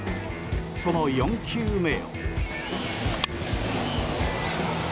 その４球目。